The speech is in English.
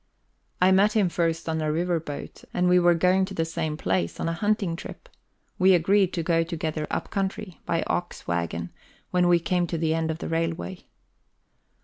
I met him first on a river boat, and we were going to the same place, on a hunting trip; we agreed to go together up country by ox wagon when we came to the end of the railway.